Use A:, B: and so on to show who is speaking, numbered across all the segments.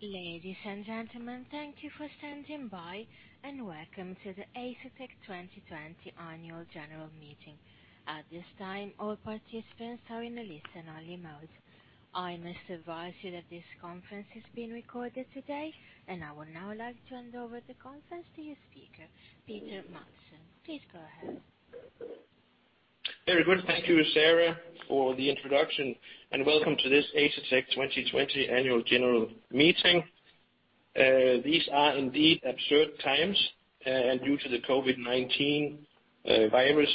A: Ladies and gentlemen, thank you for standing by, and welcome to the Asetek 2020 Annual General Meeting. At this time, all participants are in a listen-only mode. I must advise you that this conference is being recorded today, and I would now like to hand over the conference to your speaker, Peter Madsen. Please go ahead.
B: Very good. Thank you, Sarah, for the introduction, and welcome to this Asetek 2020 Annual General Meeting. These are indeed absurd times, and due to the COVID-19 virus,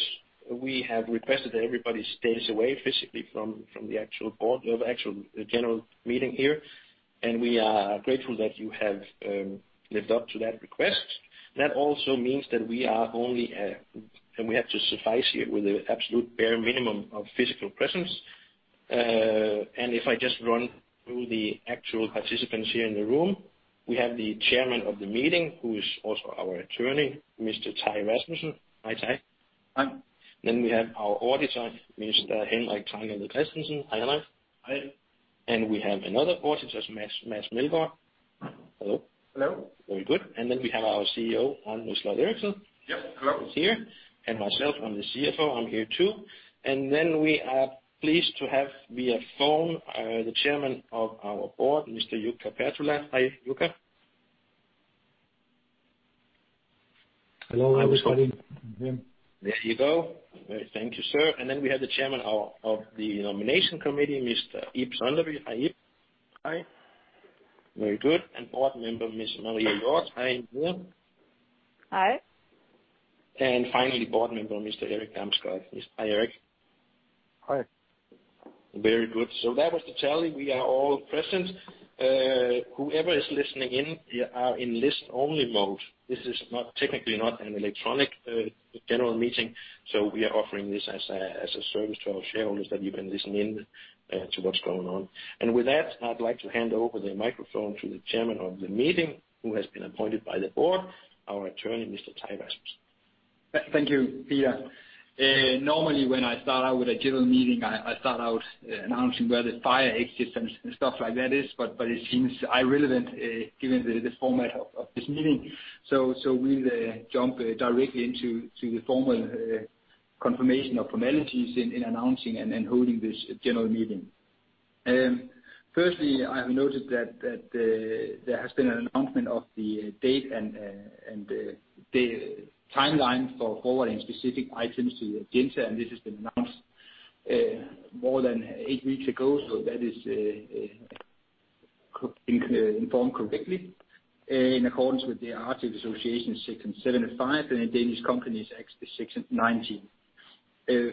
B: we have requested that everybody stays away physically from the actual general meeting here, and we are grateful that you have lived up to that request. That also means that we have to suffice here with the absolute bare minimum of physical presence. If I just run through the actual participants here in the room, we have the Chairman of the meeting, who is also our attorney, Mr. Ty Rasmussen. Hi, Ty.
C: Hi.
B: We have our Auditor, Mr. Henrik Kristensen. Hi, Henrik.
D: Hi.
B: We have another Auditor, Mads Melgaard. Hello.
E: Hello.
B: Very good. Then we have our CEO, André Eriksen.
F: Yes, hello.
B: Is here. Myself, I'm the CFO, I'm here too. We are pleased to have, via phone, the Chairman of our Board, Mr. Jukka Pertola. Hi, Jukka.
G: Hello, everybody. I'm here.
B: There you go. Very thank you, sir. Then we have the Chairman of the Nomination Committee, Mr. Ib Sønderby. Hi, Ib.
H: Hi.
B: Very good. Board Member, Ms. Maria Hjorth. Hi, Maria.
I: Hi.
B: Finally, Board Member Mr. Erik Damsgaard. Hi, Erik.
J: Hi.
B: Very good. That was the tally. We are all present. Whoever is listening in, you are in listen-only mode. This is technically not an electronic general meeting, so we are offering this as a service to our shareholders that you can listen in to what's going on. With that, I'd like to hand over the microphone to the chairman of the meeting, who has been appointed by the board, our attorney, Mr. Ty Rasmussen.
C: Thank you, Peter. Normally, when I start out with a general meeting, I start out announcing where the fire exits and stuff like that is, but it seems irrelevant given the format of this meeting. We'll jump directly into the formal confirmation of formalities in announcing and holding this general meeting. Firstly, I have noted that there has been an announcement of the date and the timeline for forwarding specific items to the agenda. This has been announced more than eight weeks ago. That is informed correctly in accordance with the Articles of Association Section 75 and the Danish Companies Act Section 19.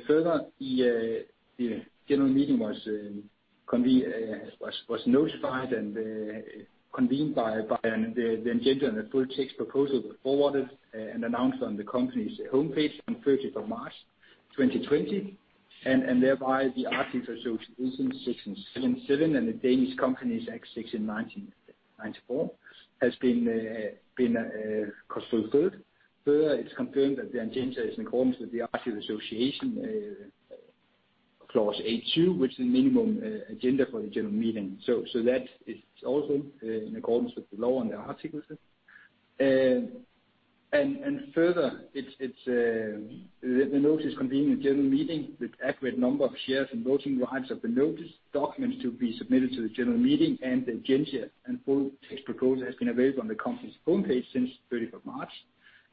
C: Further, the general meeting was notified and convened by the agenda. A full text proposal was forwarded and announced on the company's homepage on 30th of March 2020, thereby the Articles Association Section 77 and the Danish Companies Act Section 94 has been fulfilled. Further, it's confirmed that the agenda is in accordance with the Articles Association Clause 82, which is a minimum agenda for the general meeting. That is also in accordance with the law and the articles. Further, the notice convening the general meeting with accurate number of shares and voting rights have been noticed, documents to be submitted to the general meeting and the agenda and full text proposal has been available on the company's homepage since the 30th of March,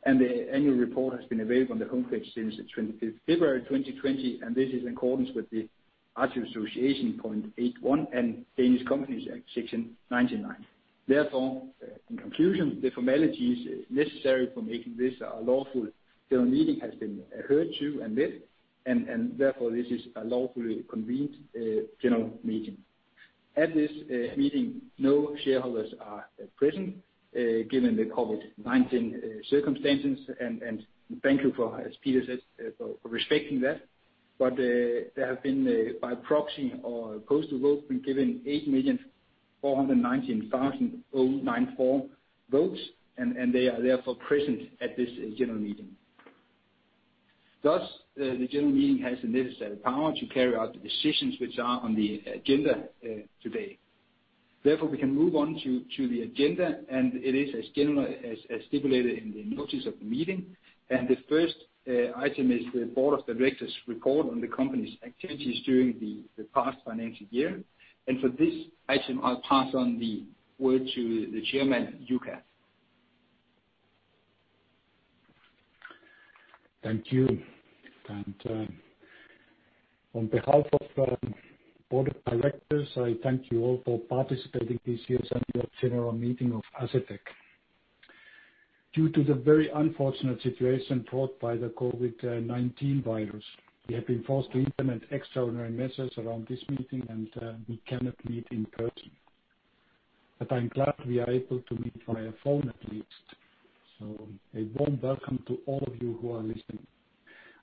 C: and the annual report has been available on the homepage since the 25th of February 2020. This is in accordance with the Articles of Association Point 81 and Danish Companies Act Section 99. Therefore, in conclusion, the formalities necessary for making this a lawful general meeting has been adhered to and met. Therefore, this is a lawfully convened general meeting. At this meeting, no shareholders are present, given the COVID-19 circumstances, and thank you for, as Peter said, for respecting that. There have been, by proxy or postal vote, been given 8,419,094 votes. They are therefore present at this general meeting. The general meeting has the necessary power to carry out the decisions which are on the agenda today. We can move on to the agenda, and it is as stipulated in the notice of the meeting. The first item is the board of directors' report on the company's activities during the past financial year. For this item, I'll pass on the word to the Chairman, Jukka.
G: Thank you. On behalf of the Board of Directors, I thank you all for participating in this year's annual general meeting of Asetek. Due to the very unfortunate situation brought by the COVID-19 virus, we have been forced to implement extraordinary measures around this meeting, and we cannot meet in person. I'm glad we are able to meet via phone at least. A warm welcome to all of you who are listening.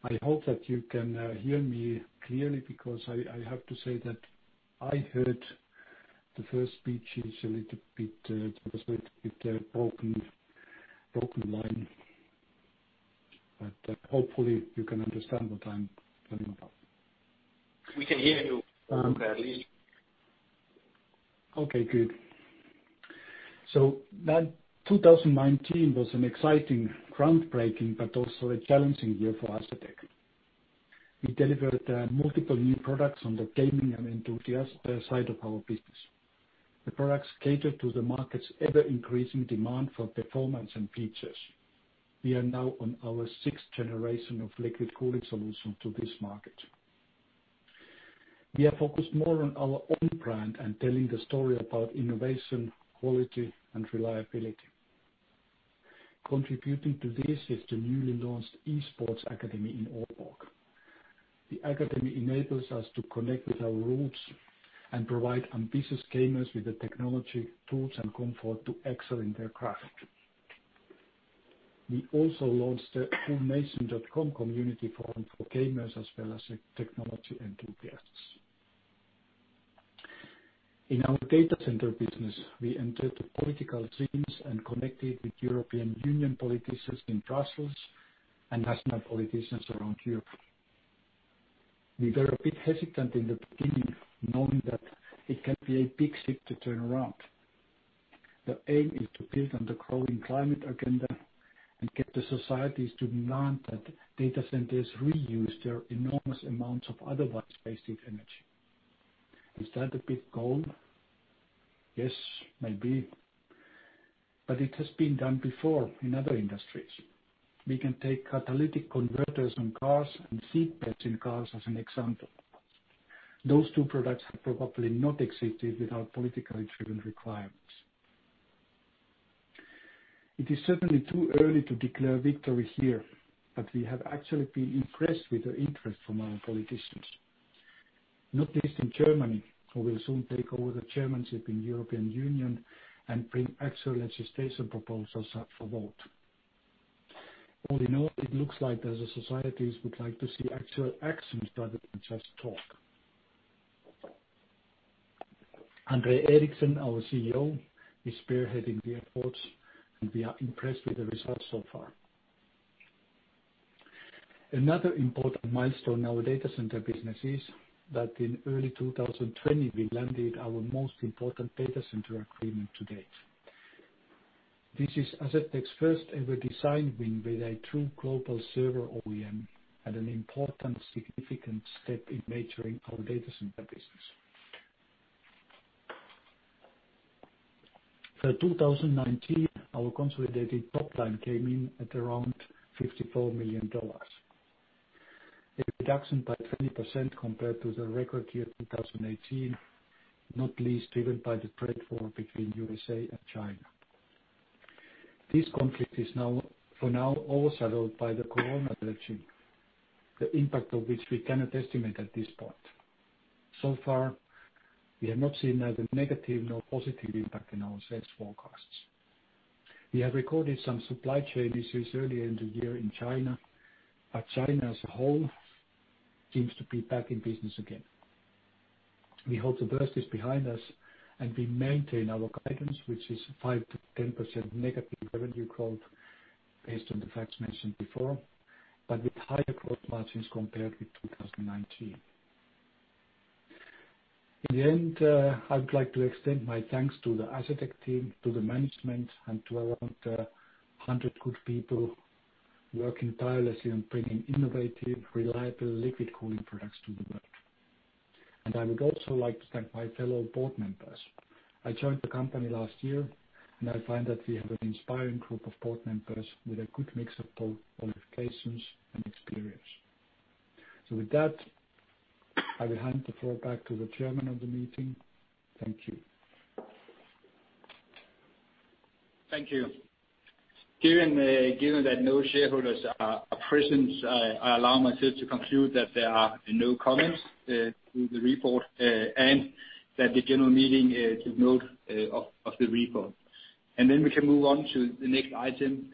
G: I hope that you can hear me clearly, because I have to say that I heard the first speech was a little bit broken line. Hopefully you can understand what I'm talking about.
C: We can hear you, at least.
G: Okay, good. 2019 was an exciting, groundbreaking, but also a challenging year for Asetek. We delivered multiple new products on the gaming and enthusiast side of our business. The products cater to the market's ever-increasing demand for performance and features. We are now on our sixth generation of liquid cooling solution to this market. We are focused more on our own brand and telling the story about innovation, quality, and reliability. Contributing to this is the newly launched Esports Academy in Aalborg. The academy enables us to connect with our roots and provide ambitious gamers with the technology, tools, and comfort to excel in their craft. We also launched the coolnation.com community forum for gamers as well as technology enthusiasts. In our data center business, we entered political streams and connected with European Union politicians in Brussels and national politicians around Europe. We were a bit hesitant in the beginning, knowing that it can be a big ship to turn around. The aim is to build on the growing climate agenda and get the societies to demand that data centers reuse their enormous amounts of otherwise wasted energy. Is that a big goal? Yes, maybe. It has been done before in other industries. We can take catalytic converters on cars and seat belts in cars as an example. Those two products have probably not existed without politically driven requirements. It is certainly too early to declare victory here, but we have actually been impressed with the interest from our politicians. Not least in Germany, who will soon take over the chairmanship in European Union and bring actual legislation proposals up for vote. All in all, it looks like as societies would like to see actual actions rather than just talk. André Eriksen, our CEO, is spearheading the efforts. We are impressed with the results so far. Another important milestone in our data center business is that in early 2020, we landed our most important data center agreement to date. This is Asetek's first ever design win with a true global server OEM and an important significant step in maturing our data center business. For 2019, our consolidated top line came in at around $54 million. A reduction by 20% compared to the record year 2018, not least driven by the trade war between the U.S. and China. This conflict is for now overshadowed by the coronavirus, the impact of which we cannot estimate at this point. So far, we have not seen neither negative nor positive impact in our sales forecasts. We have recorded some supply chain issues early in the year in China, but China as a whole seems to be back in business again. We hope the worst is behind us, and we maintain our guidance, which is 5%-10% negative revenue growth based on the facts mentioned before, but with higher growth margins compared with 2019. In the end, I would like to extend my thanks to the Asetek team, to the management, and to around 100 good people working tirelessly on bringing innovative, reliable liquid cooling products to the world. I would also like to thank my fellow board members. I joined the company last year, and I find that we have an inspiring group of board members with a good mix of both qualifications and experience. With that, I will hand the floor back to the Chairman of the meeting. Thank you.
C: Thank you. Given that no shareholders are present, I allow myself to conclude that there are no comments to the report, and that the general meeting take note of the report. Then we can move on to the next item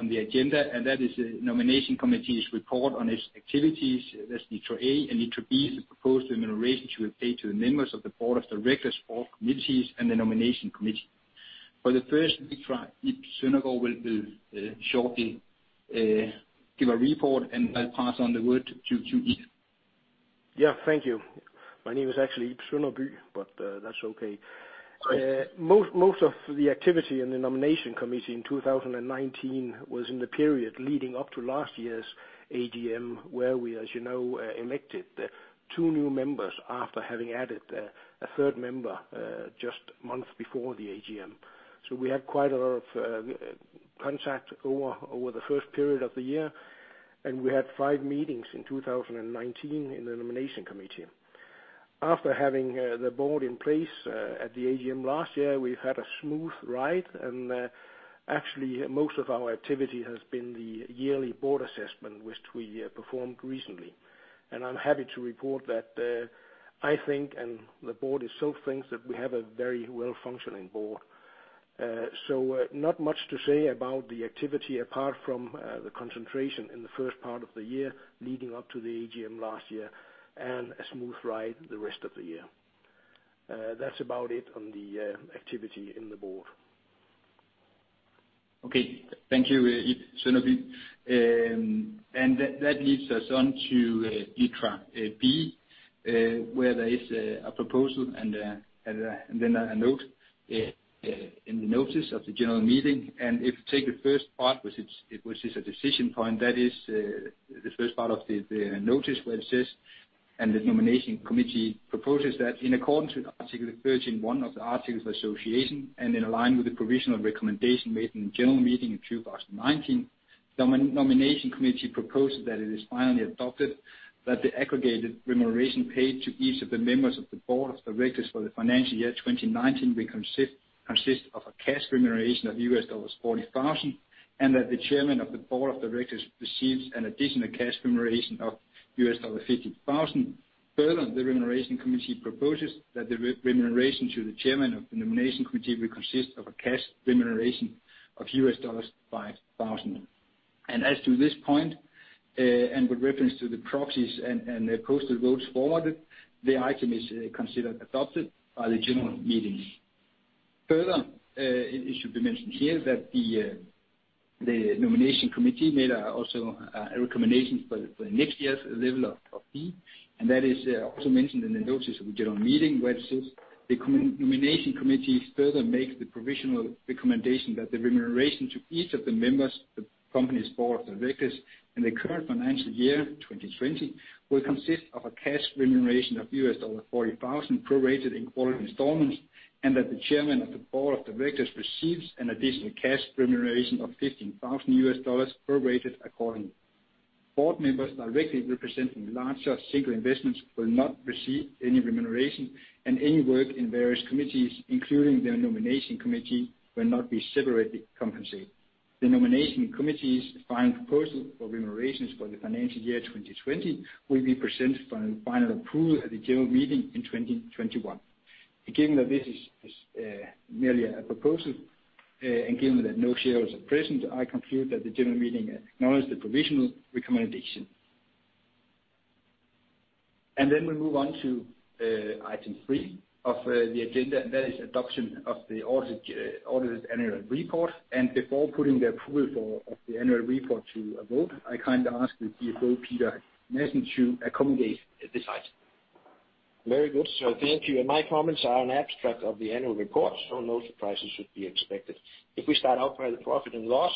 C: on the agenda, and that is the nomination committee's report on its activities. That's letter A. Letter B is the proposed remuneration to be paid to the members of the board of directors, all committees, and the nomination committee. For the first, Ib Sønderby will shortly give a report, and I'll pass on the word to you, Ib.
H: Yeah. Thank you. My name is actually Ib Sønderby, but that's okay.
C: Okay.
H: Most of the activity in the nomination committee in 2019 was in the period leading up to last year's AGM, where we, as you know, elected two new members after having added a third member just months before the AGM. We had quite a lot of contact over the first period of the year, and we had five meetings in 2019 in the nomination committee. After having the board in place at the AGM last year, we've had a smooth ride, and actually, most of our activity has been the yearly board assessment, which we performed recently. I'm happy to report that I think, and the board itself thinks, that we have a very well-functioning board. Not much to say about the activity apart from the concentration in the first part of the year leading up to the AGM last year, and a smooth ride the rest of the year. That's about it on the activity in the board.
C: Thank you, Ib Sønderby. That leads us on to agenda B, where there is a proposal and then a note in the notice of the general meeting. If you take the first part, which is a decision point, that is the first part of the notice where it says, "The nomination committee proposes that in accordance with Article 13.1 of the Articles of Association, and in line with the provisional recommendation made in the general meeting in 2019, the nomination committee proposes that it is finally adopted that the aggregated remuneration paid to each of the members of the Board of Directors for the financial year 2019 will consist of a cash remuneration of $40,000, and that the Chairman of the Board of Directors receives an additional cash remuneration of $15,000. Further, the remuneration committee proposes that the remuneration to the chairman of the nomination committee will consist of a cash remuneration of $5,000. As to this point, and with reference to the proxies and the posted votes forwarded, the item is considered adopted by the general meeting. Further, it should be mentioned here that the nomination committee made also a recommendation for next year's level of fee, and that is also mentioned in the notice of the general meeting, where it says, "The nomination committee further makes the provisional recommendation that the remuneration to each of the members of the company's Board of Directors in the current financial year 2020 will consist of a cash remuneration of $40,000 prorated in quarterly installments, and that the Chairman of the Board of Directors receives an additional cash remuneration of $15,000 prorated accordingly. Board members directly representing larger single investments will not receive any remuneration, and any work in various committees, including the nomination committee, will not be separately compensated. The nomination committee's final proposal for remunerations for the financial year 2020 will be presented for final approval at the general meeting in 2021. This is merely a proposal, and given that no shareholders are present, I conclude that the general meeting acknowledge the provisional recommendation. Then we move on to item three of the agenda, and that is adoption of the auditor's annual report. Before putting the approval of the annual report to a vote, I kindly ask the CFO, Peter Madsen, to accommodate this item.
B: Very good, sir. Thank you. My comments are an abstract of the annual report. No surprises should be expected. If we start out by the profit and loss,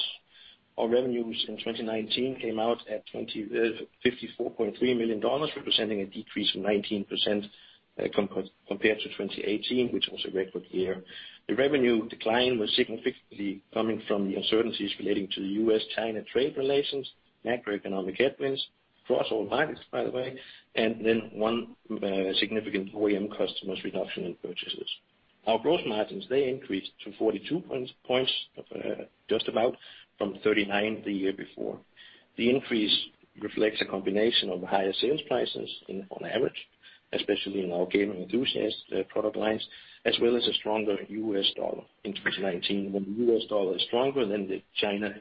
B: our revenues in 2019 came out at $54.3 million, representing a decrease of 19% compared to 2018, which was a record year. The revenue decline was significantly coming from the uncertainties relating to the U.S.-China trade relations, macroeconomic headwinds across all markets, by the way. One significant OEM customer's reduction in purchases. Our gross margins, they increased to 42 points, just about, from 39 the year before. The increase reflects a combination of higher sales prices on average, especially in our gaming enthusiast product lines, as well as a stronger U.S. dollar in 2019. When the U.S. dollar is stronger, the China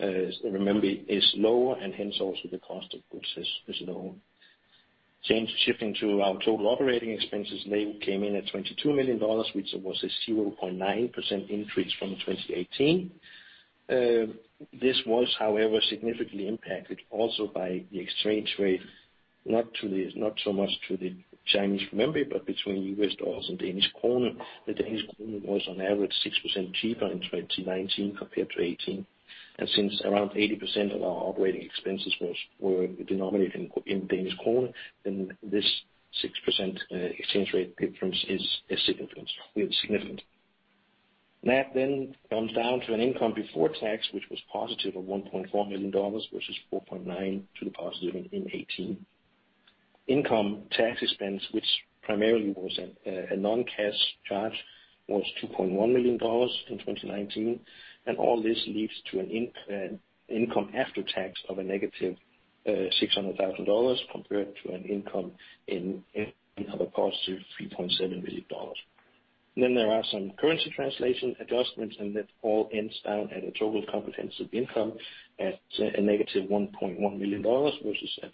B: renminbi is lower. Hence also the cost of goods is low. Change shifting to our total operating expenses, they came in at $22 million, which was a 0.9% increase from 2018. This was, however, significantly impacted also by the exchange rate, not so much to the Chinese renminbi, but between U.S. dollars and Danish krone. The Danish krone was on average 6% cheaper in 2019 compared to 2018. Since around 80% of our operating expenses were denominated in Danish krone, then this 6% exchange rate difference is significant. That then comes down to an income before tax, which was positive of $1.4 million, versus $4.9 million to the positive in 2018. Income tax expense, which primarily was a non-cash charge, was $2.1 million in 2019. All this leads to an income after tax of a -$600,000 compared to an income in +$3.7 million. There are some currency translation adjustments, and that all ends down at a total comprehensive income at a -$1.1 million, versus a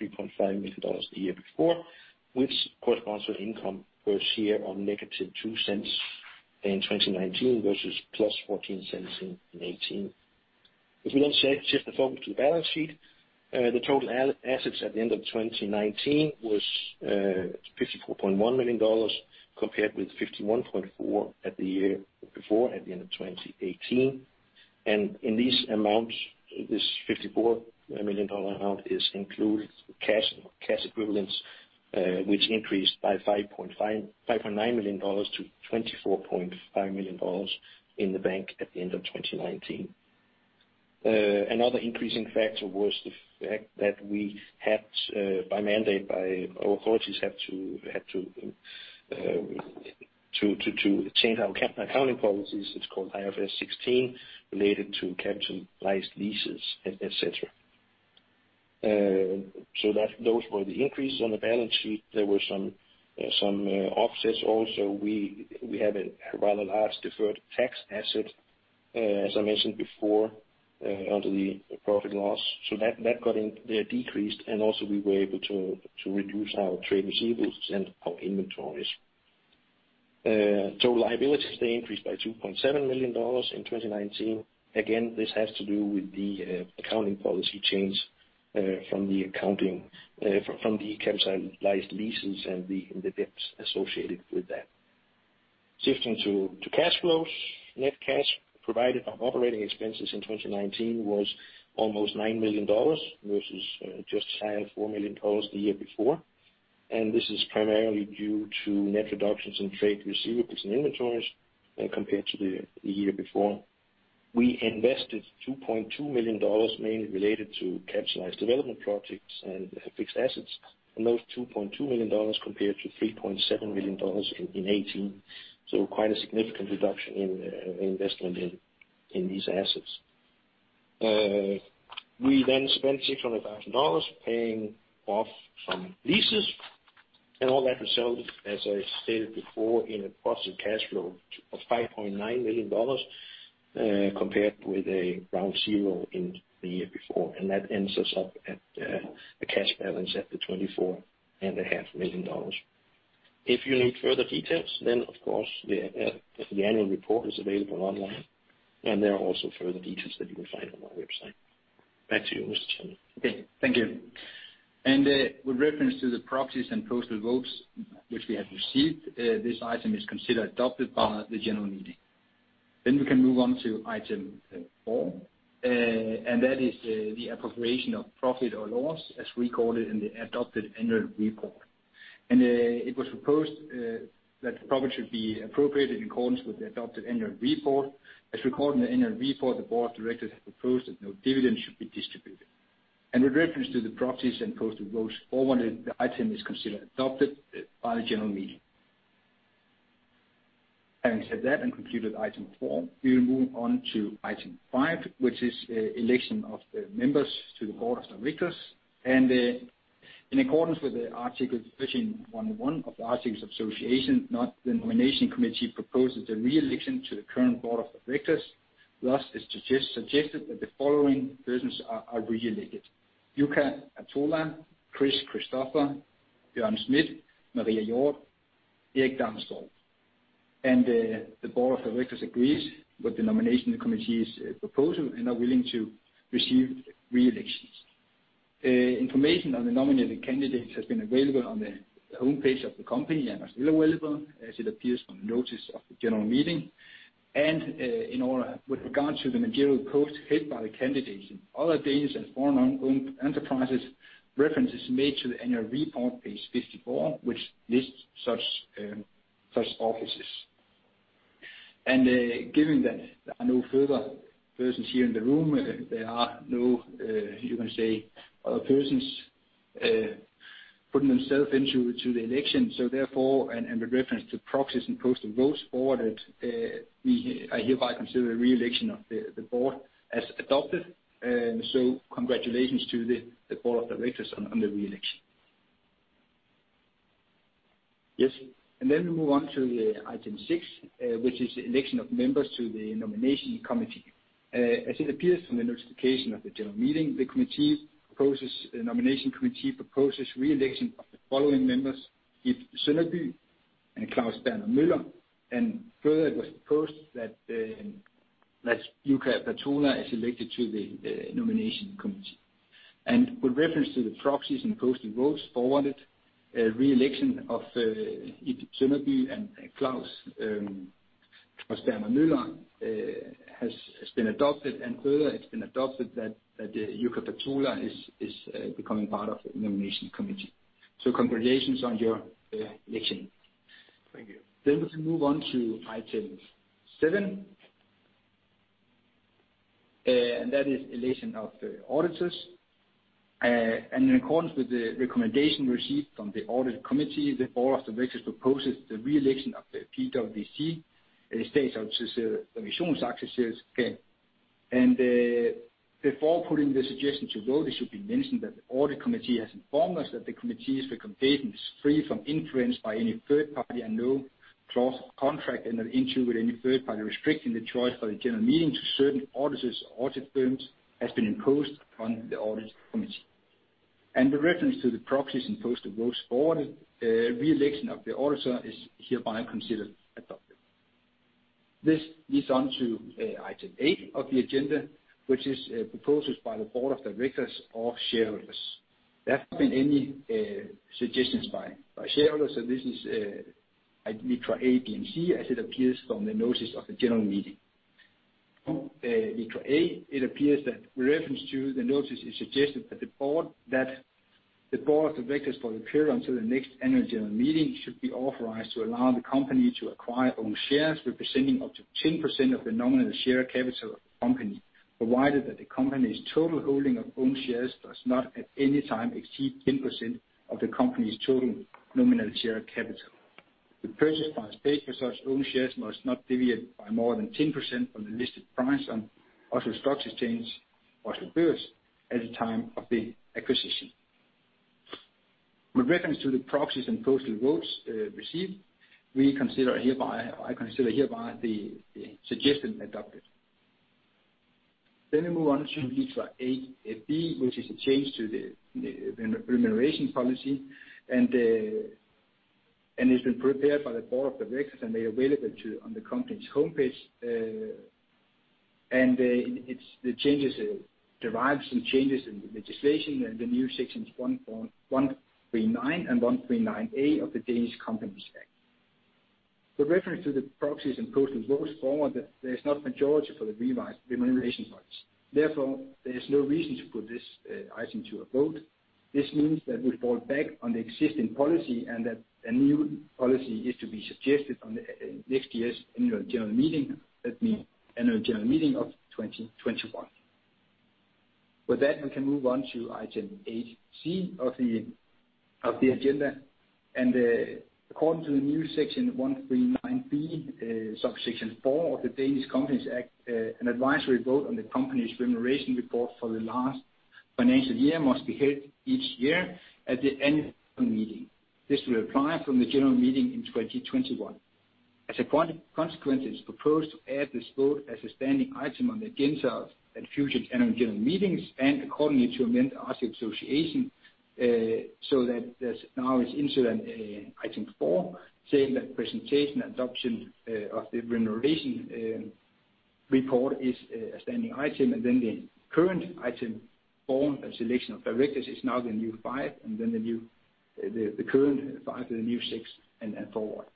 B: +$3.5 million the year before, which corresponds to an income per share of -$0.02 in 2019 versus +$0.14 in 2018. If we shift the focus to the balance sheet, the total assets at the end of 2019 was $54.1 million, compared with $51.4 million at the year before, at the end of 2018. In these amounts, this $54 million amount is included cash equivalents, which increased by $5.9 million to $24.5 million in the bank at the end of 2019. Another increasing factor was the fact that we had, by mandate by our authorities, had to change our accounting policies. It's called IFRS 16, related to capitalized leases, et cetera. Those were the increases on the balance sheet. There were some offsets also. We have a rather large deferred tax asset. As I mentioned before, under the profit loss. That got decreased, and also we were able to reduce our trade receivables and our inventories. Total liabilities, they increased by $2.7 million in 2019. Again, this has to do with the accounting policy change from the capitalized leases and the debts associated with that. Shifting to cash flows. Net cash provided by operating expenses in 2019 was almost $9 million versus just $4 million the year before. This is primarily due to net reductions in trade receivables and inventories when compared to the year before. We invested $2.2 million mainly related to capitalized development projects and fixed assets. Those $2.2 million compared to $3.7 million in 2018, so quite a significant reduction in investment in these assets. We then spent $600,000 paying off some leases and all that resulted, as I stated before, in a positive cash flow of $5.9 million, compared with around zero in the year before. That ends us up at the cash balance at the $24.5 million. If you need further details, then of course, the annual report is available online and there are also further details that you can find on our website. Back to you, Mr. Chairman.
C: Okay. Thank you. With reference to the proxies and posted votes, which we have received, this item is considered adopted by the general meeting. We can move on to item four, and that is the appropriation of profit or loss as recorded in the adopted annual report. It was proposed that the profit should be appropriate in accordance with the adopted annual report. As recorded in the annual report, the board of directors have proposed that no dividends should be distributed. With reference to the proxies and posted votes forwarded, the item is considered adopted by the general meeting. Having said that and concluded item four, we will move on to item five, which is election of the members to the board of directors. In accordance with the Article 13.1.1 of the Articles of Association, the nomination committee proposes a re-election to the current board of directors. Thus, it's suggested that the following persons are re-elected: Jukka Pertola, Chris Christopher, Jørgen Smidt, Maria Hjorth, Erik Damsgaard. The board of directors agrees with the nomination committee's proposal and are willing to receive re-elections. Information on the nominated candidates has been available on the homepage of the company and are still available as it appears on the notice of the general meeting. With regard to the managerial posts held by the candidates in other Danish and foreign owned enterprises, reference is made to the annual report page 54, which lists such offices. Given that there are no further persons here in the room, there are no other persons putting themselves into the election. Therefore, and with reference to proxies and posted votes forwarded, I hereby consider the re-election of the board as adopted. Congratulations to the board of directors on the re-election. Yes. We move on to item six, which is the election of members to the nomination committee. As it appears from the notification of the general meeting, the nomination committee proposes re-election of the following members: Ib Sønderby and Claus Berner Møller, and further it was proposed that Jukka Pertola is elected to the nomination committee. With reference to the proxies and posted votes forwarded, re-election of Ib Sønderby and Claus Berner Møller has been adopted, and further it's been adopted that Jukka Pertola is becoming part of the nomination committee. Congratulations on your election.
G: Thank you.
C: We can move on to item seven. That is election of the auditors. In accordance with the recommendation received from the audit committee, the board of directors proposes the re-election of the PwC, PricewaterhouseCoopers. Before putting the suggestion to vote, it should be mentioned that the audit committee has informed us that the committee's recommendation is free from influence by any third party, and no clause of contract entered into with any third party restricting the choice by the general meeting to certain auditors or audit firms has been imposed on the audit committee. With reference to the proxies and posted votes forwarded, re-election of the auditor is hereby considered adopted. This leads on to item eight of the agenda, which is proposals by the board of directors or shareholders. There have not been any suggestions by shareholders, so this is intra A, B, and C, as it appears from the notices of the general meeting. From intra A, it appears that with reference to the notice, it's suggested that the board of directors for the period until the next annual general meeting should be authorized to allow the company to acquire own shares representing up to 10% of the nominal share capital of the company, provided that the company's total holding of own shares does not at any time exceed 10% of the company's total nominal share capital. The purchase price paid for such own shares must not deviate by more than 10% from the listed price on Oslo Stock Exchange, Oslo Børs, at the time of the acquisition. With reference to the proxies and postal votes received, I consider hereby the suggestion adopted. We move on to 8B, which is a change to the remuneration policy, and it's been prepared by the board of directors, and they're available on the company's homepage. The changes derives from changes in the legislation and the new Section 139 and Section 139a of the Danish Companies Act. With reference to the proxies and postal votes forward, there's not majority for the revised remuneration policy. Therefore, there is no reason to put this item to a vote. This means that we fall back on the existing policy, and that a new policy is to be suggested on next year's annual general meeting. That means annual general meeting of 2021. With that, we can move on to item 8C of the agenda. According to the new Section 139b, Subsection 4 of the Danish Companies Act, an advisory vote on the company's remuneration report for the last financial year must be held each year at the annual meeting. This will apply from the general meeting in 2021. As a consequence, it's proposed to add this vote as a standing item on the agenda at future annual general meetings, and accordingly to amend the Association, so that there's now is incident item four, saying that presentation adoption of the remuneration report is a standing item. Then the current item four and selection of directors is now the new five, and then the current five to the new six, and forward.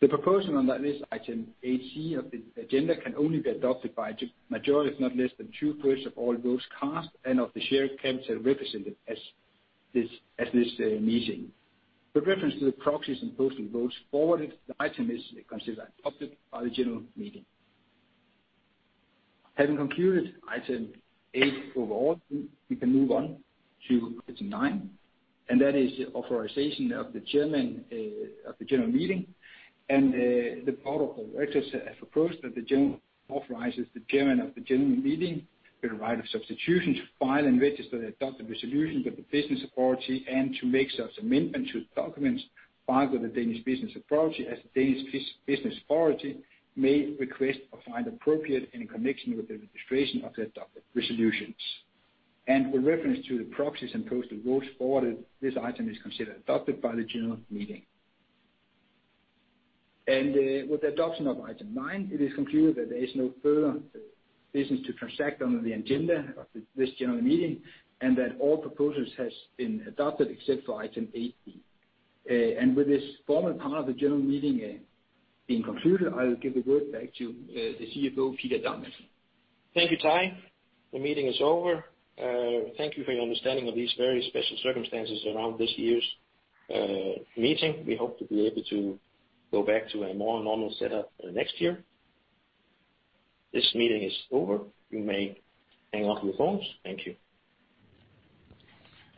C: The proposal on that list, item 8C of the agenda, can only be adopted by a majority of not less than 2/3 of all votes cast and of the share capital represented at this meeting. With reference to the proxies and postal votes forwarded, the item is considered adopted by the general meeting. Having concluded item eight overall, we can move on to item nine. That is authorization of the chairman of the general meeting. The board of directors have proposed that the general authorizes the chairman of the general meeting, with the right of substitution, to file and register the adopted resolution with the Business Authority and to make such amendment to the documents filed with the Danish Business Authority as the Danish Business Authority may request or find appropriate in connection with the registration of that adopted resolutions. With reference to the proxies and postal votes forwarded, this item is considered adopted by the general meeting. With the adoption of item nine, it is concluded that there is no further business to transact on the agenda of this general meeting, and that all proposals has been adopted except for item 8B. With this formal part of the general meeting being concluded, I will give the word back to the CFO, Peter Madsen.
B: Thank you, Ty. The meeting is over. Thank you for your understanding of these very special circumstances around this year's meeting. We hope to be able to go back to a more normal setup next year. This meeting is over. You may hang up your phones.
C: Thank you.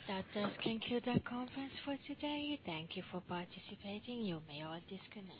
A: That does conclude our conference for today. Thank you for participating. You may all disconnect.